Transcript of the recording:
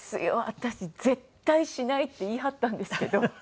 私絶対しないって言い張ったんですけど。